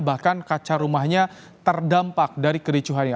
bahkan kaca rumahnya terdampak dari kericuhannya